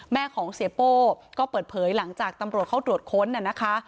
แม่ของเสียโป้ก็เปิดเผยหลังจากตำรวจเข้าตรวจค้นน่ะนะคะ